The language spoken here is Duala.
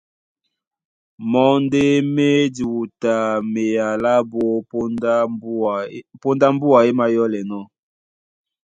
Mɔ́ ndé má e diwutamea lábū póndá mbúa é mayɔ́lɛnɔ̄,